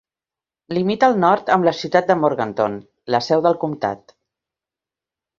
Limita al nord amb la ciutat de Morganton, la seu del comtat.